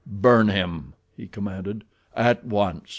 "Burn him," he commanded. "At once.